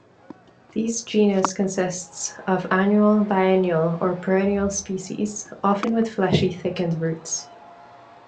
This genus consists of annual, biennial, or perennial species, often with fleshy, thickened roots.